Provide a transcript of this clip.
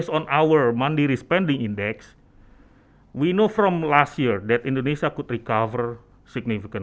kita tahu dari tahun lalu bahwa indonesia bisa menyelamatkan dengan secara signifikan